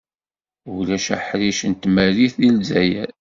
Ulac aḥric n tmerrit deg Lezzayer.